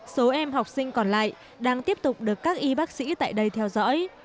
số em học sinh còn lại đang tiếp tục được các y bác sĩ tại đây theo dõi